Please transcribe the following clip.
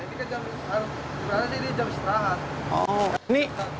iya ini jam seterahan